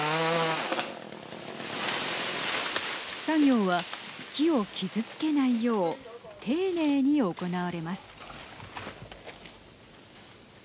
作業は木を傷つけないよう丁寧に行われます。